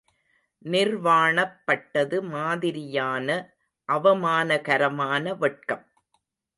நிர்வாணப் பட்டது மாதிரியான அவமானகரமான வெட்கம்.